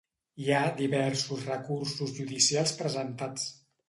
Hi ha diversos recursos judicials presentats.